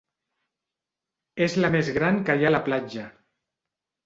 És la més gran que hi ha a la platja.